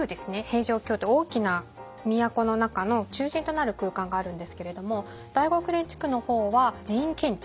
平城宮って大きな都の中の中心となる空間があるんですけれども大極殿地区の方は寺院建築。